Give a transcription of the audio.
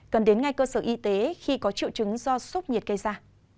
cần đến ngay cơ sở y tế khi có triệu chứng do sốc nhiệt gây ra